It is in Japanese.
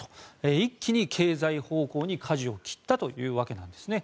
一気に経済方向にかじを切ったというわけなんですね。